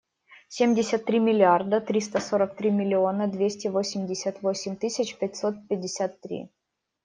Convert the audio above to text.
Семьдесят три миллиарда триста сорок три миллиона двести восемьдесят восемь тысяч пятьсот пятьдесят три.